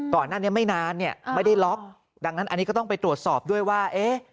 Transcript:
ก่อนหน้านี้ไม่นานเนี่ยไม่ได้ล็อกดังนั้นอันนี้ก็ต้องไปตรวจสอบด้วยว่าเอ๊ะ